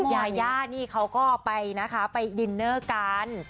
ยายานี่เค้าก็ออกไปนะไปดินเนอร์กัน